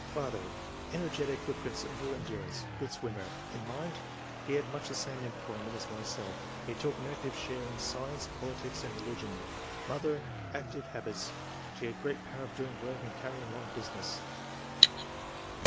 ] ^'Father — Energetic, with considerable endur ance ; good swimmer. In mind, he had much the same active employment as myself ; he took an active share in science, politics, and in religion. Mother — ^Active habits ; she had great power of doing work and carrying on business."